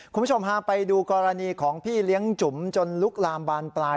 คุณผู้ชมพาไปดูกรณีของพี่เลี้ยงจุ๋มจนลุกลามบานปลาย